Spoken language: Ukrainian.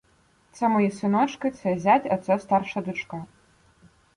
Це мої синочки, це — зять, а це старша дочка.